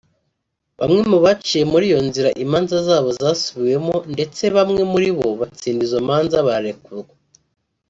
Bamwe mu baciye muri iyo nzira imanza zabo zasubiwemo ndetse bamwe muri bo batsinda izo manza bararekurwa